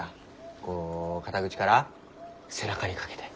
こう肩口から背中にかけて。